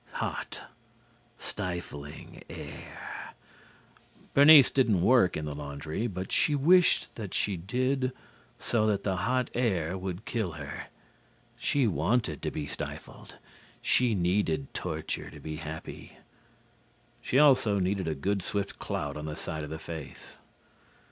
Hot, stifling air. Bernice didn't work in the laundry but she wished that she did so that the hot air would kill her. She wanted to be stifled. She needed torture to be happy. She also needed a good swift clout on the side of the face.